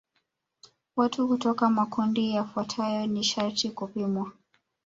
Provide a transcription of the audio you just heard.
Watu kutoka makundi yafuatayo ni sharti kupimwa